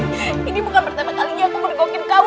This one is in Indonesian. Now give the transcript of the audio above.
ini bukan pertama kalinya aku berdua ngobrolin kamu